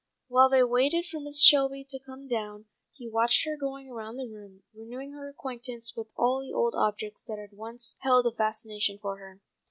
While they waited for Mrs. Shelby to come down he watched her going around the room, renewing her acquaintance with all the old objects that had once held a fascination for her.